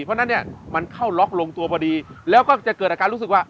เพราะฉะนั้นเนี่ยมันเข้าล็อกลงตัวพอดีแล้วก็จะเกิดอาการรู้สึกว่า